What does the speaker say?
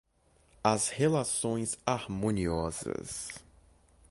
as relações harmoniosas